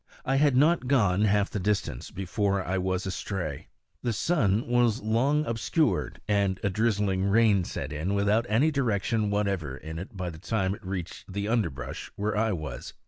I had not gone half the distance before I was astray. The sun was long obscured, and a drizzling rain set in, without any direction whatever in it by the time it reached the underbrush where I was.